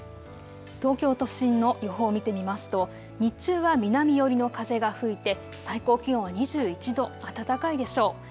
東京都心の予報を見てみますと日中は南寄りの風が吹いて最高気温は２１度、暖かいでしょう。